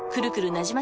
なじま